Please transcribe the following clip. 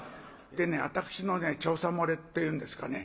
でね私の調査漏れっていうんですかね